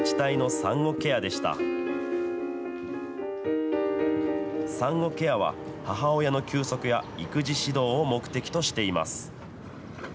産後ケアは、母親の休息や育児指導を目的としています。